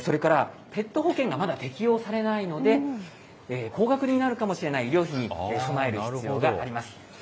それからペット保険がまだ適用されないので、高額になるかもしれない医療費に備える必要があります。